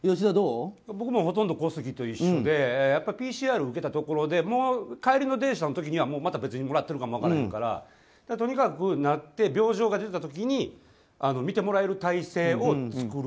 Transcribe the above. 僕もほとんど小杉と一緒でＰＣＲを受けたところで帰りの電車の時のはまた別にもらってるかも分からんからとにかくなって、病状が出た時に診てもらえる体制を作る。